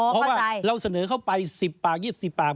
อ๋อเมื่อเราเสนอเข้าไปสิบปากยิบสิบปาก